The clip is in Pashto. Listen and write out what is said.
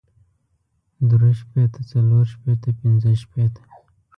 درې شپېته څلور شپېته پنځۀ شپېته